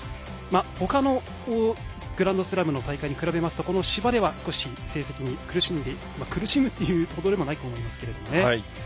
他のグランドスラムの大会に比べますとこの芝では少し成績に苦しむほどではないですが。